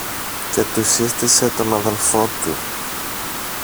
και του σύστησε τον αδελφό του.